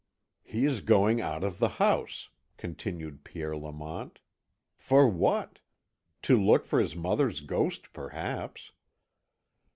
"He is going out of the house," continued Pierre Lamont. "For what? To look for his mother's ghost, perhaps.